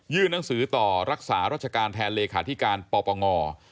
หนังสือต่อรักษารัชการแทนเลขาธิการปปง